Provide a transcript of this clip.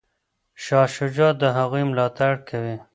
شاه شجاع د هغوی ملاتړ کوي.